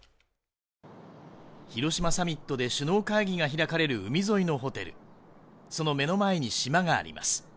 広島サミットで首脳会議が開かれる海沿いのホテルその目の前に島があります。